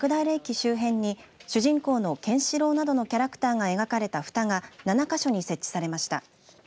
周辺に主人公のケンシロウなどのキャラクターが描かれた、ふたが７か所に設置されました。